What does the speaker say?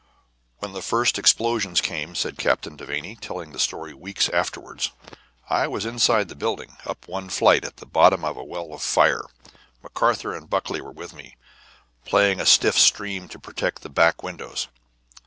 "When the first explosion came," said Captain Devanny, telling the story weeks afterward, "I was inside the building, up one flight, at the bottom of a well of fire. McArthur and Buckley were with me, playing a stiff stream to protect the back windows.